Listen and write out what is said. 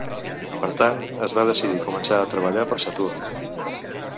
Per tant, es va decidir començar a treballar para Saturn.